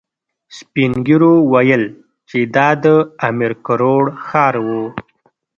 سپين ږيرو ويل چې دا د امير کروړ ښار و.